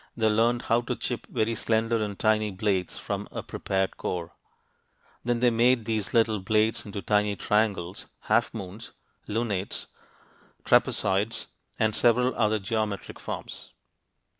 They learned how to chip very slender and tiny blades from a prepared core. Then they made these little blades into tiny triangles, half moons ("lunates"), trapezoids, and several other geometric forms.